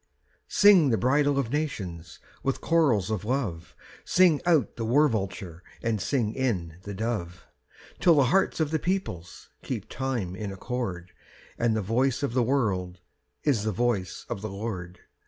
II. Sing the bridal of nations! with chorals of love Sing out the war vulture and sing in the dove, Till the hearts of the peoples keep time in accord, And the voice of the world is the voice of the Lord!